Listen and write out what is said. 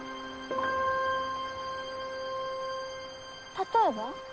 例えば？